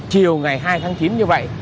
chiều ngày hai tháng chín như vậy